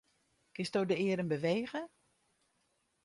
Kinsto de earm bewege?